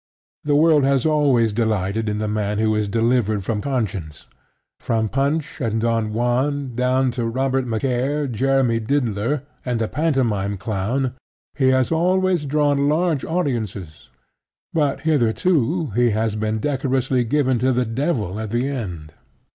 The world has always delighted in the man who is delivered from conscience. From Punch and Don Juan down to Robert Macaire, Jeremy Diddler and the pantomime clown, he has always drawn large audiences; but hitherto he has been decorously given to the devil at the end.